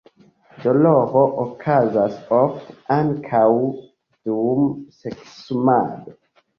Doloro okazas ofte ankaŭ dum seksumado.